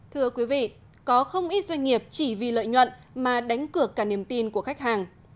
thưa quý vị có không ít doanh nghiệp chỉ vì lợi nhuận mà đánh cửa cả niềm tin của khách hàng